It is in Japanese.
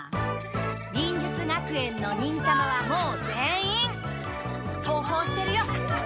忍術学園の忍たまはもう全員登校してるよ！